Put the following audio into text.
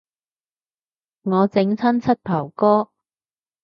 我整親膝頭哥